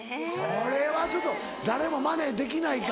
これはちょっと誰もマネできないか。